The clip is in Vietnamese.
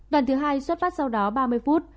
lần thứ hai xuất phát sau đó ba mươi phút